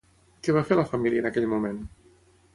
Què va fer la família en aquell moment?